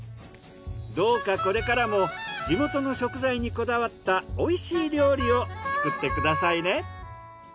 どうかこれからも地元の食材にこだわった美味しい料理を作ってくださいね。